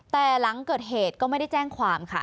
แต่หลังเกิดเหตุก็ไม่ได้แจ้งความค่ะ